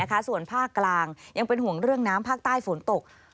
แล้วอาจจะมีภาคกลางยังเป็นห่วงเรื่องน้ำภาคใต้ฝนตก